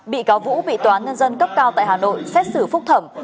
bị cáo vũ bị toán nhân dân cấp cao tại hà nội xét xử phúc thẩm